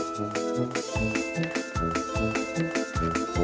สาม